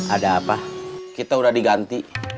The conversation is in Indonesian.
ada apa kita udah diganti